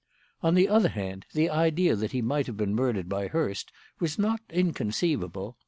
"On the other hand, the idea that he might have been murdered by Hurst was not inconceivable.